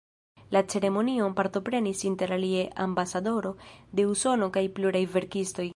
La ceremonion partoprenis interalie ambasadoro de Usono kaj pluraj verkistoj.